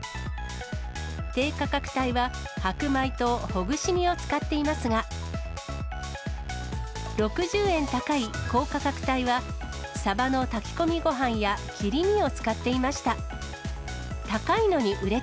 低価格帯は白米とほぐし身を使っていますが、６０円高い高価格帯はさばの炊き込みごはんや切り身を使っていました。